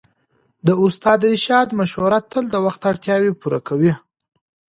د استاد رشاد مشوره تل د وخت اړتياوې پوره کوي.